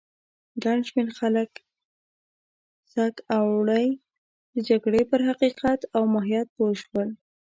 ګڼ شمېر خلک سږ اوړی د جګړې پر حقیقت او ماهیت پوه شول.